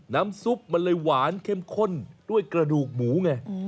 ซุปมันเลยหวานเข้มข้นด้วยกระดูกหมูไง